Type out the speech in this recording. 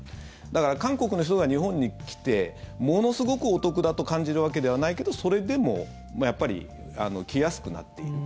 だから、韓国の人が日本に来てものすごくお得だと感じるわけではないけどそれでもやっぱり来やすくなっている。